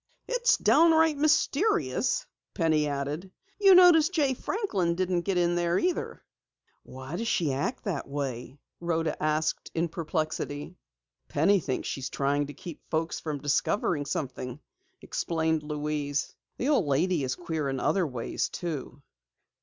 "It's downright mysterious," Penny added. "You notice Jay Franklin didn't get in there either!" "Why does she act that way?" Rhoda asked in perplexity. "Penny thinks she's trying to keep folks from discovering something," explained Louise. "The old lady is queer in other ways, too."